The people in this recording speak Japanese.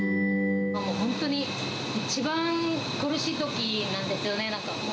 もう本当に一番苦しいときなんですよね、なんか。